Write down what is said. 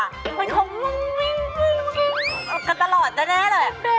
อะไรมันจะดึงกับความรักขนาดนั้นคะมะ